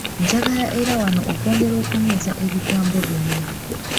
Njagala era wano okwongera okunyweza ebigambo bino.